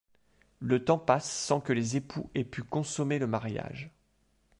Le temps passe sans que les époux aient pu consommer le mariage.